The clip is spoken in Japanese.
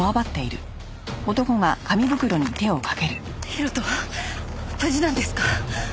広斗は無事なんですか？